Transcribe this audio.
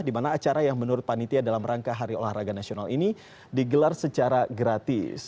di mana acara yang menurut panitia dalam rangka hari olahraga nasional ini digelar secara gratis